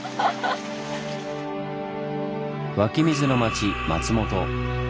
湧き水の町松本。